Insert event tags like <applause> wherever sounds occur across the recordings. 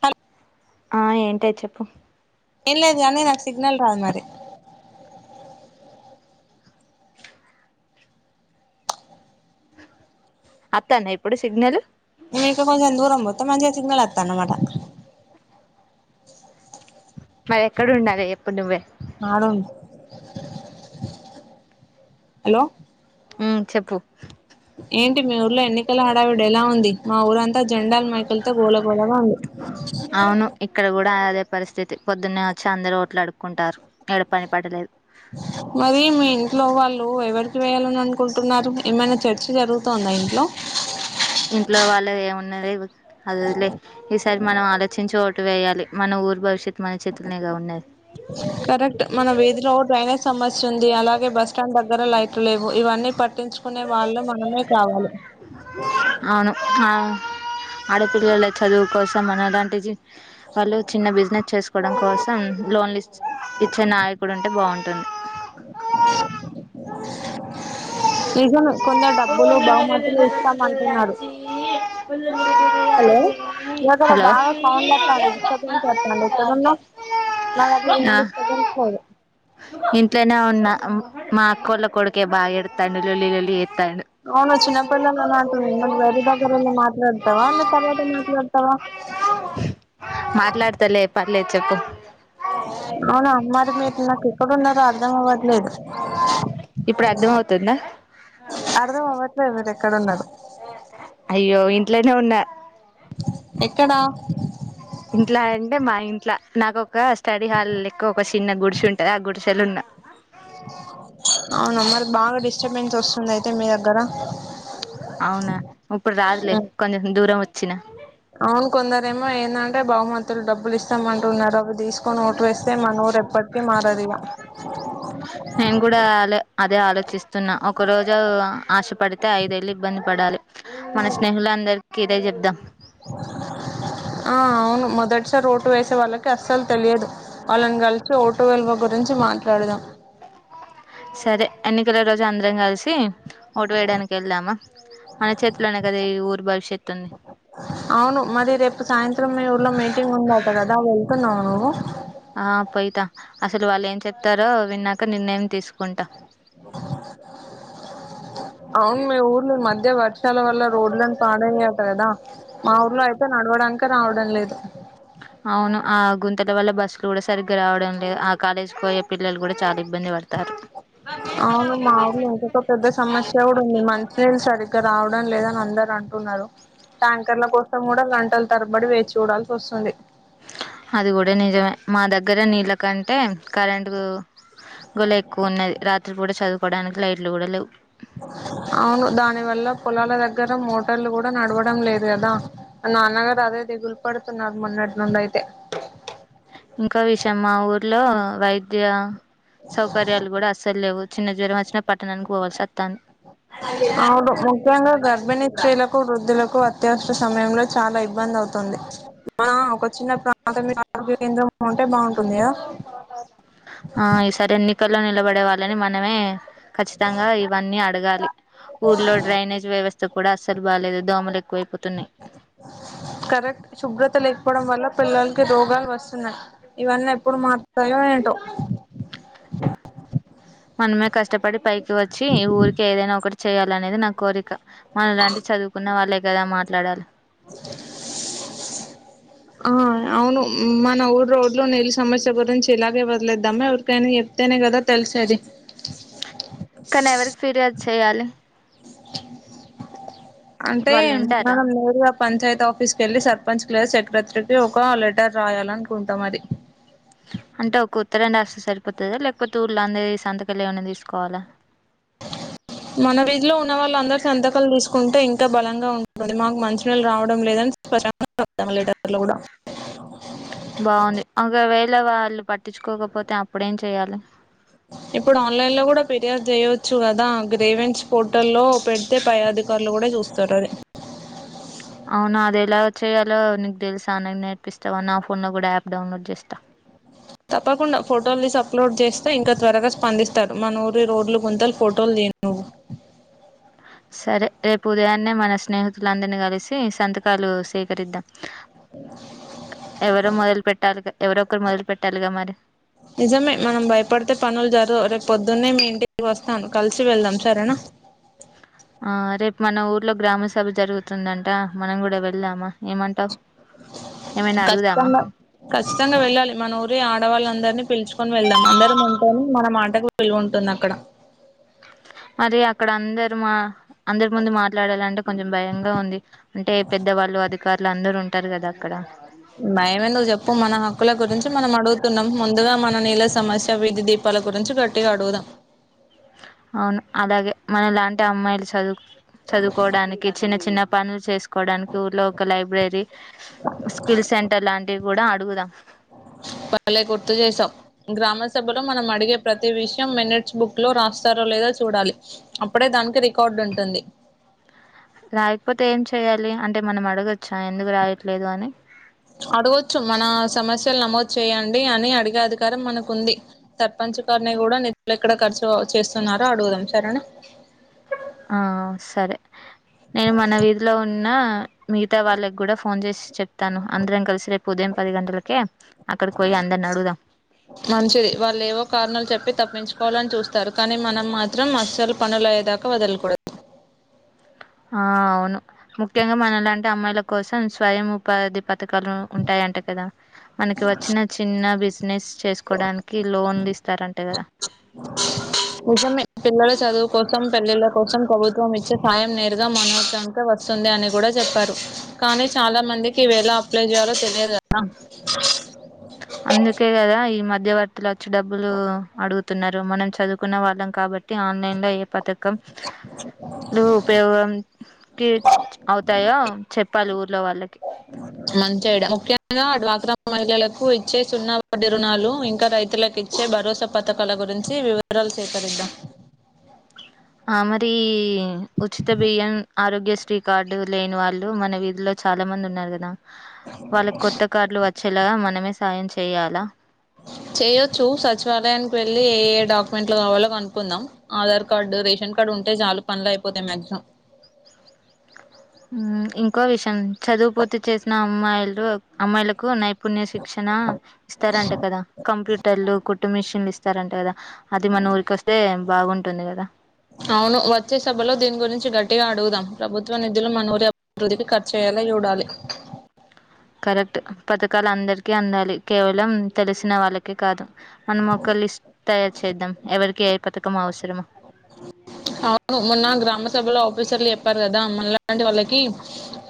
తలు ఆ ఏంటే చెప్పు ఏం లేదు గాని నాకు సిగ్నల్ రాదు మరి అత్తాందా ఇప్పుడు సిగ్నలు ఇంక కొంచం దూరం పో మంచిగ సిగ్నల్ వత్తాన్నమాట మరి ఎక్కడ ఉండాలి. చెప్పు నువ్వే అడుండు హలో హ్ చెప్పు ఏంటి మీ ఊర్లో ఎన్నికల ఆడావిడి ఎలా ఉంది. మా ఊరంతా జెండాల్ మైకులతో గోళ గోలగా ఉంది. అవును ఇక్కడ కూడా అదే పరిస్థితి పొద్దున్నే వచ్చి అందరూ ఓట్లు అడు కుంటారు. మరి మీ ఇంట్లో వాళ్ళు ఎవరికి వేయాలని అనుకుంటున్నారు. ఏమైనా చర్చ జరుగుతుందా ఇంట్లో ఇంట్లో వాళ్ళు ఏమున్నది అది వదులై ఈ సారి మనం ఆలోచించి ఓట్లు వేయాలి మన ఊరు భవిష్యత్తు మన చేతుల్నేగా ఉన్నది కరెక్ట్ మన విధిలో డ్రైనేజ్ సమస్య ఉంది. అలాగే బస్ స్టాండ్ దగ్గర లై ట్లూ లేవు ఇవన్నీ పట్ పట్టించుకునే వాళ్ళు మనమే కావాలి. అవును ఆ ఆడపిల్లల చదువు కోసం మానలాంటి జి వాళ్ళు చిన్న బిజినెస్ చేసు ప్పడం కోసం లోన్లు ఇచ్చే నాయకుడు ఉంటే బాగుంటది. నిజంగా కొందరు డబ్బులు బహుమతులు ఇస్తామంటున్నారు. కొ హలో నీ దగ్గర బాగా సౌండ్ అత్తంది. డిస్ట్రప్బెన్స్ అత్తంది. ఎక్కడున్నావ్ నా దగ్గరా ఏం ఆ డిస్ట్రబెన్స్ లేదు. ఇంట్లోనే ఉన్న మా అక్కోల్ల కొడుకే బాగా ఎడుత్తండు లొల్లి లొల్లి చే అవును. చినప్పటి <unintelligible> గది దగ్గర ఉండి మాట్లాడు వాల్ల తర్వాత మాట్లాడుతవా మాట్లాడతలే ప లే చెప్పు అవునా మారి మీరు నాకు ఏక్కడున్నారో అర్థం అవట్లేదు. ఇప్పుడు అర్ధం అవుతుందా ఏక్కడున్నారు అయ్యో ఇంట్లనే ఉన్నా ఎక్కడా ఇంట్లా అంటే మా ఇం ఇట్లా నాకు ఒక స్టడీ హాల్ లేక్క ఒక చిన్న గుడిసే ఉంటది. ఆ గుడిసెల ఉన్నా అవున మారి బాగా డిస్టర్బెన్స్ వస్తుంది. ఆయితే అవునా ఇప్పుడు రాదులే కొంచెం దూరం వచ్చ వచ్చిన అవును కొందరేమో ఏందంటే బహుమతులు డబ్బులు ఇస్తామ అంటున్నారు అ తీసుకొని ఓట వేస్తే మన ఊరు ఎప్పటిక మారదు ఇగా నేను కూడా అలా అదే ఆలోచిస్త ఒక రోజు ఆశపడితే ఐదేళ్ళు ఇబ్బంది పడాలి మన స్నేహులు అందరి కేరే చెప్దాం ఆ అవును మొదటిసారి ఓటు వేసే వాళ్ళకి అస్సలు తెలియదు వాళ్ళని కలిసి ఓటో విల్వ గురించి మాట్లాడదాం సరే ఎన్నికల రోజు అందరం కలిసి ఓటు వేయడానికి వెళ్దామా మన చేతిలోనే కదా ఈ ఊరి భవిష్యత్తు ఉంది అవును మరి రేపు సాయంత్రం మీ ఊర్లో మీటింగ్ ఉండట కదా ప నాలుగు ఆ పోయితా అసలు వాళ్ళు ఏం చెప్తారో విన్నాక నిర్ణయం తీసుకుంటా ఓహో అవును మీ ఊర్లు మధ్య వర్షాల వల్ల రోడ్లలను పాడయ్యాారు కదా మా ఊర్లో అయితే నడవడానిక రావడం లేదు అవును ఆ గుంతెల వల్ల బస్సులు కూడా సరిగ్గా రావడం లేదు ఆ కాలేజ్కి పోయే పిల్లలు కూడా చాలా ఇబ్బంది పడతారు అవును మాఊలు ఇంకొక పెద్ద సమస్య కూడా ఉంది మంచిినళ్ళ సరిగ్గా రావడం చూ లేదని అందరు అంటున్నారు ట్యాంకర్ కోసం కూడా గంటలు తరబడి వేచి చూడాల్సి వస్తుంది అది కూడా నిజమే మా దగ్గర నీళ్ళ కంటే కరెంు గొల ఎక్కువ ఉన్నది రాత్రి కూడా చదువుకోవడానికి లైట్లు కూడా లేవు అవును దాని వల్ల పొలాల దగ్గర మోటార్లు కూడా నడవడం లేదు కదా నాన్నగారు అదే దిగులు పడుతున్నారు మొన్నటి నుం అయితే ఇంకా విష మా ఊర్లో వైద్య సౌకర్యాలు కూడా అస్సలు లేవు చిన్న జ్వర వచ్చిన అవును ముఖ్యంగా గర్భిణి ఇస్తయిల వృద్ధులకు అత్యవసర సమయంలో చాలా ఇబ్బంది అవుతుంది మ ఒక చిన్న ప్రాథమిక ఆరోగ్య కేంద్రం ఉంటే బాగుు ఆ ఈ సారి ఎన్నికల్ లో నిలబడే వాళ్ళని మనమే ఖచ్చితంగా ఇవన్నీ అడగాలి ఊర్లో డ్రైనేజ్ వ్యవస్థ కూడా అస్సలు బాాలేదు దోమలు ఎక్కువైపోతున్నాయి కరెక్ట్ శుభ్రత లేకపోవడం వల్ల పిల్లలకి రోగాలు వస్తున్నాయి ఇవన్నీ ఎప్పుడు మాత్రయో ఏటో మనమే కష్టపడి పై వచ్చి ఈ ఊరికి ఏదైనా ఒకటి చేయాలనేది నా కోరిక మనం ఇలాంటి చదువుకున్న వాళ్ళ కదా మాట్లాడాలి ఆ అవును మన ఊరు రోడ్లో నీళ్ళ సమస్య గురించి ఇలాగే వదిలేద్దమ్మా ఎవరికైనా చెప్తేనే కదా తెలిసేది కానీ ఎవరికి ఫిర్యాదు చేయాలి అంటే వాళ్ళు వింటారా మనం నేరుగా పంచాయతీ ఆఫీస్క వెళ్ళలి సర్పంచ్ క సెక్రటరీకి ఒక లెటర్ రాయాలనుకుంటాం అది అంటే ఒక ఉత్తరాం రాస్్ర సరిపోతుందా లేకపోతే ఊర్ళ అందేీ సంతకళ్యాణణ తీసుకోవాలా మన వీధిలో ఉన్న వాళ్ళందరిూ సంతకాలు తీసుకుంటే ఇంకా బలంగా ఉంటుంది మాకు మంచ నీళ్ళు రావడం లేదని స్పష్టంగాా లీటర్లు కూడా బాగుంది ఒకవేళ వాళ్ళు పట్టించుకోకపోతే అప్పుడేం చెయాలి ఇప్పుడు ఆన్లైన్లో కూడా ఫిర్యాదు చేయచ్చు కదా గ్రేవెన్స్ ఫోటోలో పెడితే పై అధికారులు కూడా చూస్తారు అది అవునా అది ఎలా చేయాలో నీకు తెలుసా అన నేర్పిస్తావా నా ఫోన్ లో కూడా యాప్ డౌన్లోడ్ చేస్తా తప్పకుండా ఫోటోలు తీ అప్లోడ్ చేస్తే ఇంకా త్వరగా స్పందిస్తారు మానూరి రోడ్ల గుంతలు ఫోటోలు తియడి సరే రేపు ఉదయాన్నే మన స్నేహితులందరినీ కలిసి సంతకాలు సేకరిద్దాం ఎవరు మెదలు పెట్టారు గా ఎవరొ ఒకరు మొదలు పెట్టాలిగా మరి నిజమే మనం భయపడితే పనులు జరవు రేపు పొద్దున్నే మీ ఇంటికి వస్తాను కలిసి వెళ్దాం సరేనా ఆ రేపు మన ఊర్లో గ్రామ సభ జరుగుతుందంట మనం కూడా వెళ్దామా ఏమంటావు ఏమైనా అడుగుదామా కఖచ్చితంగా ఖచ్చితంగా వెళ్ళాలి మన ఊరి ఆడవాళ్ళ అందరూ పిలుచుకొని వెళ్దాం అందరం ఉంటేని మన మాటకు వెలువ ఉంటుంది అక్కడ మరి అక్కడ అందరు మా అందరి ముందు మాట్లాడాలంటే కొంచెం భయంగా ఉంది అంటే పెద్దవాళ్ళు అది వాళ్ళ అందరు ఉంటారు కదా అక్కడ మైము చెప్పు మన హకుల గురించి మనం అడుగుతున్నాం ముందుగా మన నీళ్ళ సమస్య వీధి దీపాల గురించి గట్టిగా అడుగుదాం అవును అలాగే మన లాంటి అమ్మాయిలు చదువు చదువుకోవడానికి చిన్న చిన్న చిన్న పనులు చేసు కోవడానికి ఊర్లో ఒక లైబ్రరీ స్కిల్ సెంటర్ లాంటి కూడా ఆడు అడుగుదాం బలే గుర్తు చేసాం గ్రామ సభలో మనం అడిగే ప్రతి విషయం మినిట్స్ బుక్ లో రాస్తారో లేదా చూడాలి అప్పుడే దానికి రికార్డు ఉంటుంది రాయకపోతే ఏం చెయ్యాలి అంటే మనం అడగొచ్చా ఎందుకు రాయట్లేదు అని అడగవచ్చు మన సమస్యలు నమోదు చేయయంండి అని అడిగే అధికారం మనకుంది సర్పంచ్ గారిని కూడా నిధులు ఎక్కడ ఖర్చు చేస్తున్నారో అడుగుదాం సరేనా ఆ సరే నేను మన వీధిలో ఉన్న మిగతా వాళ్ళకి కూడా ఫోన్ చేసి చెప్తాను అందరం కలిసి రేపు ఉదయం పది గంటలకే అక్కడికి పోయి అందని అడుగుదాం మంచిది వాళ్ళు ఏవో కారణాలు చెప్పి తప్పించుకోవాలని చూస్తారు కానీ మనం మాత్రం అస్సల్ పనులయైదా వదిలకూడదు ఆ అవును ముఖ్యంగా మనలాంటి అమ్మాయిల కోసం స్వయం ఉపాధి పథకాలు ఉంటాయంట కదా మనకి వచ్చిన చిన్న బిస్ నెస్ చేసుకోవడానికి లోన్లు ఇస్తారంట కదా నిజంమె పిల్లల చదువు కోసం పెళ్ళిళ్ల కోసం ప్రభుత్వం ఇచ్చే సాయం నేరుగా మౌనోగక వస్తుంది అని కూడా చెప్పారు కానీ చాలా మందికి ఇవ ఎలా అప్లై చేయాలో తెలియదు కదా అందుకె గదా ఈ మధ్య మధ్యవర్తులు వచ్చి డబ్బులు అడుగుతున్నారు మనం చదువుకున్న వాళ్ళం కాబట్టి ఆన్లైన్ లో ఏ పథక కం ఉపయోగం కీ అవు తాయో చెప్పాలి ఊర్లో వాళ్ళకి మంచోడ ముఖ్యంగా డ్వాక్రా మహిళలకు ఇచ్చే సున్నా వడ్డి రుణాలు ఇంకా రైతులకు ఇచ్చే భరోసా పథకాల గురించి వివరాలు సేకరిద్దాం. ఆ మరి ఉచిత బియ్యం, ఆరోగ్యశ్రీ కార్డు లేని వాళ్ళు మన వీధిలో చాలా మంది ఉన్నారు. కదా వాళ్ళకి కొత్త కార్డులు వచ్చేలాగా మనమే సాయం చే చేయాలా చేయొచ్చు సచివాలయానికి వెళ్ళి ఏ ఏ డాక్యుమెంట్లు కావాలో కనుకుందాం. ఆధార్ కార్డు రేషన్ కార్డు ఉంటే చాలా పనులు అయిపోతాయి. మ్యాక్సిమం ఇంకో విషయం చదువు పూర్తి చేసిన అమ్మాయిలు అమ్మాయిలకు నై పుణ్య శిక్షణ ఇస్తారంటే కదా కంప్యూటర్లు కు కుట్టుమిషిన్లు ఇస్తారంట కదా అది మన ఊరికి వస్తే బాగుంటుంది కదా అవును వచ్చే సభలో దీని గురించి గట్టిగా అడుగుదాం. ప్రభుత్వ నిధులు మన ఊరి అభివృద్ధికి ఖర్చుయ్యేలా చూడాలి. కరెక్ట్ పథకాలు అందరికీ అందాలి. కేవలం తెలిసిన వాళ్ళకే కాదు మనం ఒక లిస్ట్ తయారు చేద్దాం. ఎవరికి ఏ పథకం అవసరమో అవును మొన్న గ్రామ సభలో ఆఫీసర్లు చెప్పారు. కదా మనలాంటి వాళ్ళకి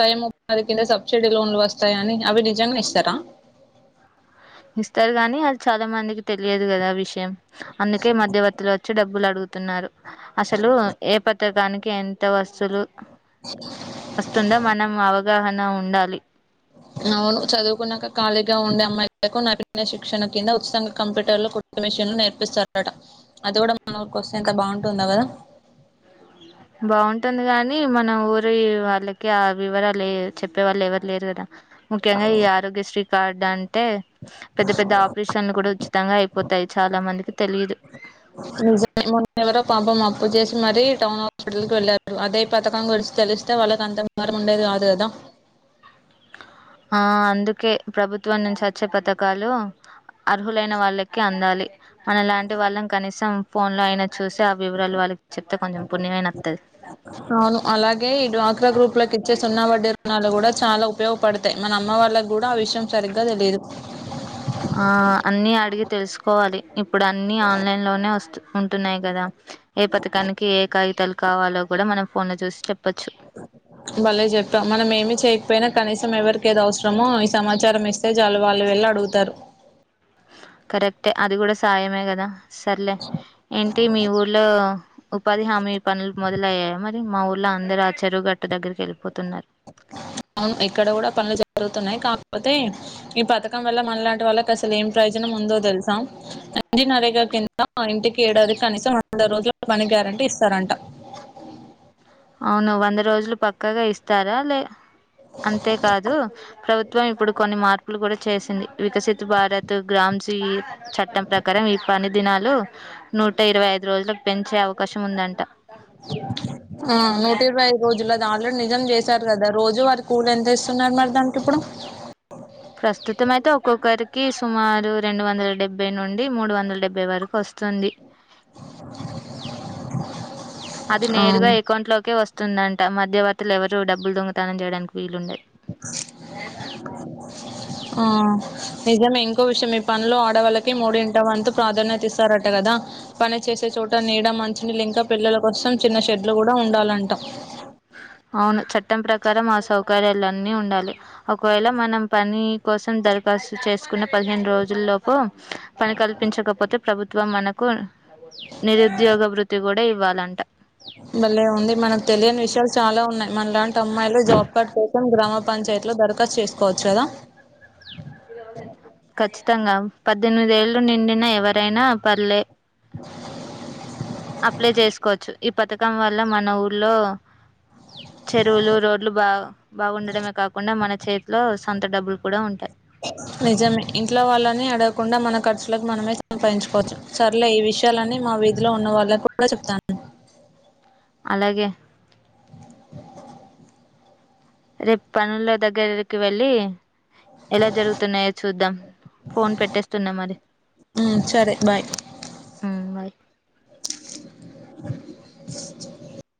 టైమ్ ఉపాది కింద సబ్సిడీ లోన్లు వస్తాయి. అని అవి నిజంగా ఇస్తారా ఇస్తారు గానీ అది చాలా మందికి తెలియదు. కదా ఆ విషయం అందుకే మధ్యవర్తిలు వచ్చి డబ్బు డబ్బులు అడుగుతున్నారు. అసలు ఏ పత్రకానికి ఎంత వస్తువులు వస్తుందో మనం అవగాహన నా ఉండాలి. అవును చదువుకున్నాక ఖాళీగా ఉండే అమ్మాయిలకు నాటిజ్ఞ శిక్షణ కింద ఉచితంగా కంప్యూటర్లు, కుట్టుమిషిన్లు మిషన్లు నేర్పిస్తారట అది కూడా మన వారికి వస్తే ఎంత బాగుంటుందో కదా బాగుంటుంది కాగాని మన ఊరి వాళ్ళకి ఆ వివరాలు చెప్పే వాళ్ళు ఎవరు లేరాట ముఖ్యంగా ఈ ఆరోగ్యశ్రీ కార్డ్ అంటే పెద్ద పెద్ద ఆపరేషన్లు కూడా ఉచితంగా అయిపోతాయి చాలా మందికి తెలియదు నిజమేమన్న ఎవరో పాపం అప్పు చేసి మరీ టౌన్ హాస్పిటల్కి వెళ్ళారు అదే పథకం గలిసి తెలిస్తే వాళ్ళకి అంత మారం ఉండేది కాదు కదా ఆ అందుకే ప్రభుత్వం నుంచి వచ్చే పథకాలు అర్హులైన వాళ్ళకి అందాలి. మన లాంటి వాళ్ళం కనీసం ఫోన్ లో అయిన చూసి ఆ వివరాలు వాళ్ళకి చెప్తే కొంచెం పుణ్యమైన వత్తాది. అవును అలాగే ఈ డ్వాక్రా గ్రూప్లకి ఇచ్చే సున్నా వడ్డీ రుణాలు కూడా చాలా ఉపయోగపడతాయి. మన అమ్మ వాళ్ళకి కూడా ఆ విషయం సరిగ్గా తెలిదు. ఆ అన్ని అడిగి తెలుసుకోవాలి. ఇప్పుడు అన్ని ఆన్లైన్ లోనే వస్తు ఉంటున్నాయి. కదా ఏ పథకానికి ఏ కాగితలు కావాలో కూడా మనం ఫోన్ లో చూసి చెప్ భలే చెప్పాం మనం ఏమి చేయకపోయినా కనీసం ఎవరి కేరోజ్ మో ఈ సమాచారం ఇస్ తే జాలు వాళ్ళు వెళ్ళి అడుగుతారు కరెక్టే అది కూడా సాయమే కదా సర్లే ఏంటి మీ ఊర్లో ఉపాధి హామీ పనులు మొ లయ్యాయి మరి మా ఊళ్ళో అందరు ఆ చెరువు గటు దగ్గరికి వెళ్ళిపోతున్నారు అవును ఇక్కడ కూడా పనులు జరుగుతున్నాయి కాకపోతే ఈ పథకం వల్ల మనలాంటి వాళ్ళకి అసలు ఏం ప్రయోజనం ఉందో తెలుసా రండి నా దగరికి ఇంటికి ఏడాది కనీసం రెడు రోజులు పని గ్యారెంటీ ఇస్తారంట అవును వంద రోజులు పక్కాగా ఇస్తారా లే అంతేకాదు ప్రభుత్వం ఇప్పుడు కొన్ని మార్పులు కూడా చేసింది వికసిత భారత్ గ్రామ్స్ ఈ చట్టం ప్రకారం ఈ పని దినాలు నూట ఇరవై ఐదు రోజులకు పెంచే అవకాశం ఉందంట <inaudible> ఆ నూటిరవై ఐదు రోజు లది ఆల్రెడీ నిజం చేశారు కదా రోజు వారి కూల్ ఎంత ఇస్తున్నారు మరి దానికి ఇప్పుడు ప్రస్తుతం అయితే ఒక్కొక్కరికి సుమారు రెండు వందల డెబ్బై నుండి మూడు వందల డెబ్బై వరకు వస్తుంది <inaudible> అది ఆ నేరుగా ఎకౌంట్ లోకే వస్ వస్తుంద అంట మధ్యవర్తులు ఎవరు డబ్బులు దొంగతనం చేయడానికి వీలుండది ఆ నిజమే ఇంకో విషయం ఈ పనిలో ఆడవాళ్ళకి మూడింటి వంతు ప్రాధాన్యత ఇస్తారట కదా పని చేసే చోట నీడ మంచినీలి ఇంకా పిల్లల కోసం చిన్న షెడ్లు కూడా ఉండాలంట ట్టం ప్రకారం ఆ సౌకర్యలున్నీ ఉండాలి ఒకవేళ మనం పని కోసం దరఖాస్తు చేసుకున్న పదిహేను రోజుల లోపు పని కల్పించకపోతే ప్రభు ఇగ మనకు నిరుద్యోగ బృత్తి కూ ఇవ్వాలంట మళ్లే ఉంది మనకు తెలియని విషయాలు చాలా ఉన్నాయి మన లాంటి అమ్మాయిలు జాబ్ కార్డ్ కోసం గ్రామ పంచాయతీ లో దరఖాస్తు చేసుకోవచ్చు కదా కఖచ్చితంగా పద్దెనిమిద ఏళ్ళు నిండిన ఎవరైనా పర్లే <inaudible> అప్లై చేసుకోవచ్చు ఈ పథకం వల్ల మన ఊర్లో చెరువులు రోడ్లు బా బాగుండడమే కాకుండా మన చేతిలో అంత డబ్బులు కూడా ఉంటాయి నిజమే ఇంట్లో వాళ్ళని అడగకుండా మన ఖర్చులకు మనమే సంపాదించుకోవచ్చు సర్లే ఈ విషయాలన్నీ మా వీధిలో ఉన్న వాళ్ళకి కూడా చెప్తాను అలాగే రేపు పనుల్లో దగ్గరికి వెళ్ళి ఎలా జరుగుతున్నాయో చూద్దాం ఫోన్ పెట్టేస్తున్నా మరి ఉమ్ సరే బాయ్ ఊ బాయ్ <inaudible>